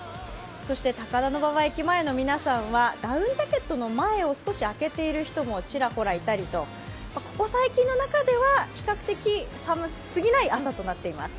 そして高田馬場駅前の皆さんはダウンジャケットの前を少し開けている人もちらほらいたりと、ここ最近の中では比較的寒すぎない朝となっています。